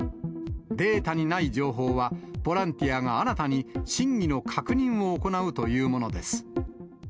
データにない情報は、ボランティアが新たに真偽の確認を行うというものです。